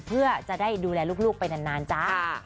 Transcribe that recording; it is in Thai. เพื่อจะได้ดูแลลูกไปนานจ้า